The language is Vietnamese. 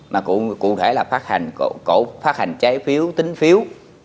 mà cụ thể là phát hành trái phiếu tính phiếu